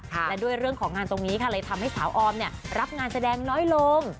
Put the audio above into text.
และด้วยเรื่องของงานตรงนี้ค่ะเลยทำให้สาวออมเนี่ยรับงานแสดงน้อยลง